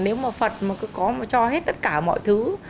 nếu mà phật mà cứ có mà cho hết tất cả mọi thứ